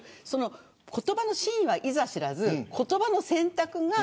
言葉の真意はいざ知らず言葉の選択が。